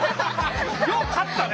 よう勝ったね